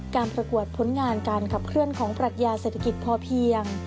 ประกวดผลงานการขับเคลื่อนของปรัชญาเศรษฐกิจพอเพียง